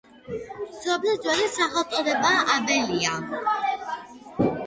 სოფლის ძველი სახელწოდებაა აბელია.